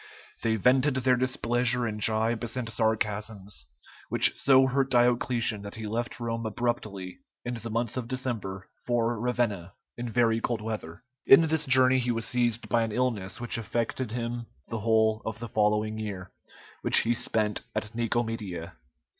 They vented their displeasure in jibes and sarcasms, which so hurt Diocletian that he left Rome abruptly in the month of December for Ravenna, in very cold weather. In this journey he was seized by an illness which affected him the whole of the following year, which he spent at Nicomedia.